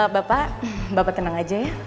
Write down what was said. bapak bapak tenang aja ya